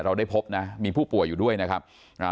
ได้พบนะมีผู้ป่วยอยู่ด้วยนะครับอ่า